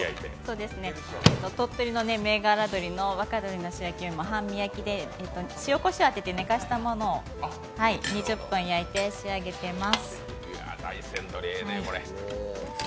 鳥取の銘柄鶏、若鶏の塩焼きを塩こしょうあてて寝かせたものを２０分焼いて仕上げています。